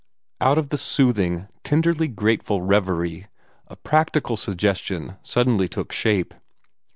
Out of the soothing, tenderly grateful revery, a practical suggestion suddenly took shape.